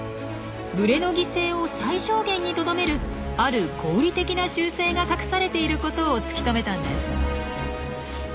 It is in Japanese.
群れの犠牲を最小限にとどめるある合理的な習性が隠されていることを突き止めたんです。